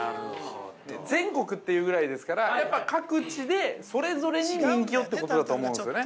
全国って言うぐらいですからやっぱ各地でそれぞれに人気をということだと思うんですよね。